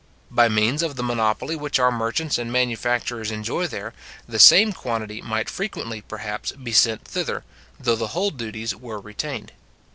By means of the monopoly which our merchants and manufacturers enjoy there, the same quantity might frequently, perhaps, be sent thither, though the whole duties were retained.